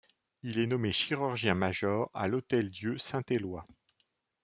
Il est nommé chirurgien-major à l'hôtel-Dieu Saint-Éloi.